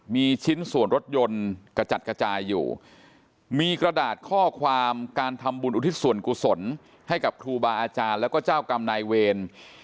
มีชิ้นส่วนรถยนต์กระจัดกระจายอยู่มีกระดาษข้อความการทำบุญอุทิศส่วนกุศลให้กับครูบาอาจารย์แล้วก็เจ้ากรรมนายเวร